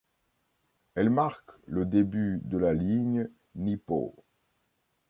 Elle marque le début de la ligne Nippō.